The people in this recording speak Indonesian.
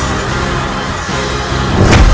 aku tidak percaya